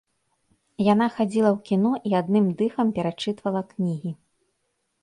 Яна хадзіла ў кіно і адным дыхам перачытвала кнігі.